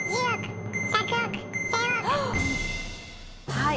はい。